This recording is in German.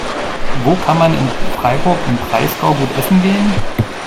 Wo kann man in Freiburg im Breisgau gut essen gehen?